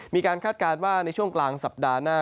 คาดการณ์ว่าในช่วงกลางสัปดาห์หน้า